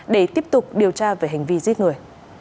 để tiếp tục điều tra về hành vi giết người